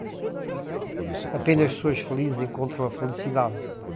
Apenas pessoas felizes encontram a felicidade.